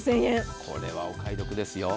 これはお買い得ですよ。